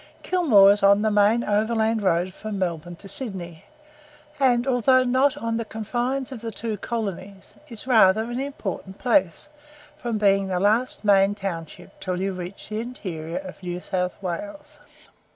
Kilmore is on the main overland road from Melbourne to Sydney, and, although not on the confines of the two colonies, is rather an important place, from being the last main township until you reach the interior of New South Wales.